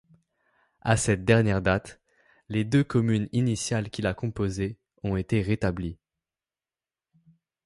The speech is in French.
À cette dernière date, les deux communes initiales qui la composaient ont été rétablies.